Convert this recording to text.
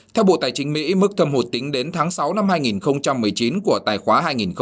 theo bộ tài chính mỹ mức thâm hụt tính đến tháng sáu năm hai nghìn một mươi chín của tài khoá hai nghìn một mươi chín